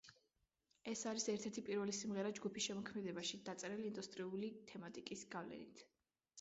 ეს არის ერთ-ერთი პირველი სიმღერა ჯგუფის შემოქმედებაში, დაწერილი ინდუსტრიული თემატიკის გავლენით.